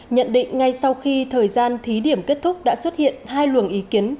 nhận định ngay sau khi thời gian thí điểm kết thúc đã xuất hiện hai luồng ý kiến